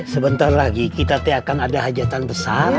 sebentar lagi kita akan ada hajatan besar